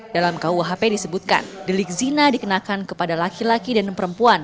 dalam kuhp disebutkan delik zina dikenakan kepada laki laki dan perempuan